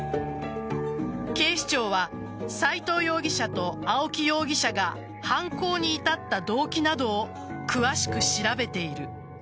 警視庁は斎藤容疑者と青木容疑者が犯行に至った動機などを詳しく調べている。